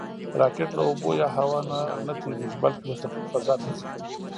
راکټ له اوبو یا هوا نه نهتېرېږي، بلکې مستقیم فضا ته ځي